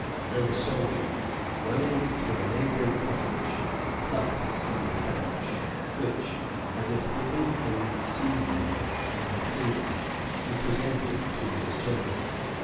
And a soldier, running to a neighboring cottage, plucked some thatch, which, as if giving him seizin of the kingdom, he presented to his general.